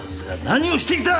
何をしていた！